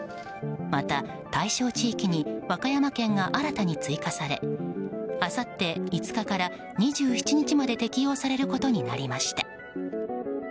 また、対象地域に和歌山県が新たに追加されあさって５日から２７日まで適用されることになりました。